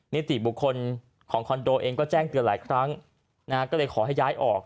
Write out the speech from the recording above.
นิติบุคคลของคอนโดเองก็แจ้งเตือนหลายครั้งนะฮะก็เลยขอให้ย้ายออก